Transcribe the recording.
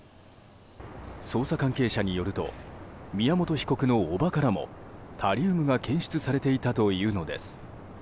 捜査関係者によると宮本被告のおばからもタリウムが検出されていたというのです。